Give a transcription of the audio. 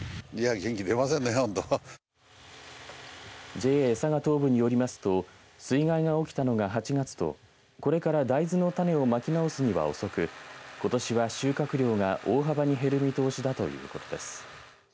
ＪＡさが東部によりますと水害が起きたのが８月とこれから大豆の種をまき直すには遅くことしは収穫量が大幅に減る見通しだということです。